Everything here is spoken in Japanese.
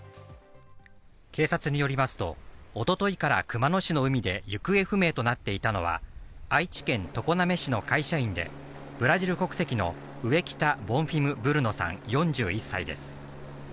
警察によりますと、おとといから熊野市の海で行方不明となっていたのは愛知県常滑市の会社員で、ブラジル国籍のウエキタ・ボンフィム・ブルノさん、４１歳です。